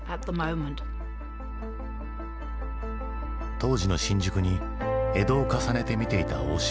当時の新宿に江戸を重ねて見ていた大島。